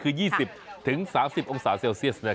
เพราะฉะนั้นต้องพอดีคือ๒๐๓๐องศาเซลเซียส